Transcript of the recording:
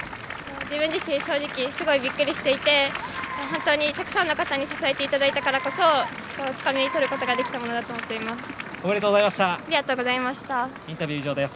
自分自身、正直すごいびっくりしていて本当にたくさんの方に支えていただいたからこそつかみとることができたものだと思っています。